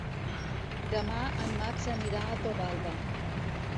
Demà en Max anirà a Torralba.